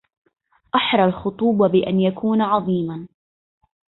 أحرى الخطوب بأن يكون عظيما